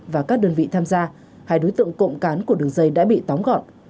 và các đơn vị tham gia hai đối tượng cộng cán của đường dây đã bị tóm gọn